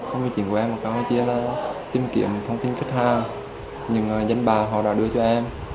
câu mối chuyện của em là tìm kiếm thông tin khách hàng những nhân bà họ đã đưa cho em